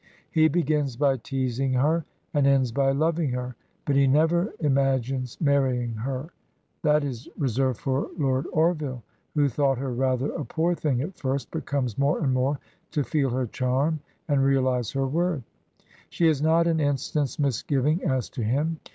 He begins by teasing her, and ends by loving her, but he never imag ines marrying her. That is reserved for Lord Orville, who thought her rather a poor thing at first, but comes more and more to feel her charm and realize her worth. She has not an instant's misgiving as to him.